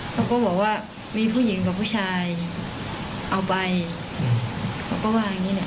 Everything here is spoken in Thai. เขาก็บอกว่ามีผู้หญิงกับผู้ชายเอาใบเขาก็ว่าอย่างนี้เนี่ย